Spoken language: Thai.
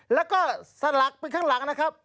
แล้วก็สลักไปข้างหลังนะครับ